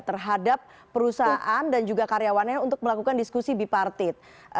terhadap perusahaan dan juga karyawannya untuk melakukan diskusi bipartit